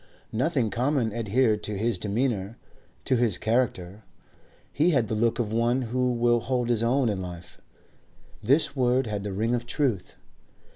Nothing common adhered to his demeanour, to his character; he had the look of one who will hold his own in life; his word had the ring of truth.